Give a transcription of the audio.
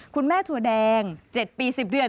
คุณแม่ทัวร์แดง๗ปี๑๐เดือน